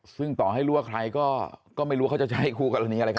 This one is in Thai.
ซึ่งต่อให้รู้ว่าใครก็ไม่รู้ว่าเขาจะใช่คู่กรณีอะไรกัน